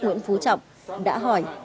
nguyễn phú trọng đã hỏi